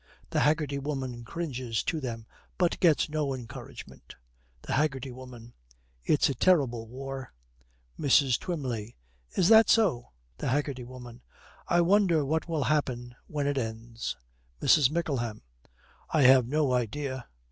The Haggerty Woman cringes to them, but gets no encouragement. THE HAGGERTY WOMAN. 'It's a terrible war.' MRS. TWYMLEY. 'Is that so?' THE HAGGERTY WOMAN. 'I wonder what will happen when it ends?' MRS. MICKLEHAM. 'I have no idea.'